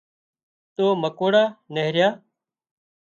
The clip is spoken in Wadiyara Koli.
تو مڪوڙا نيهريا